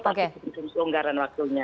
tapi bisa mengunggarkan waktunya